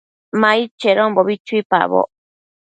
Ma aid chedonbo chuipaboc